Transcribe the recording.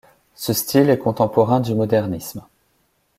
Ce style est contemporain du Modernisme.